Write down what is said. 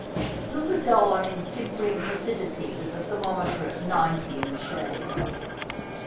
Who could go on in simpering placidity with the ther mometer at ninety in the shade